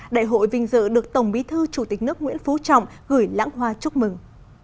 đại hội vinh dự được tổng bí thư chủ tịch nước nguyễn phú trọng gửi lãng hoa chúc mừng